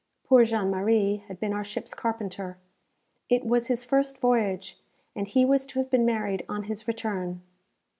Poor Jean Marie had been our ship's carpenter. It was his first voyage, and he was to have been married on his return.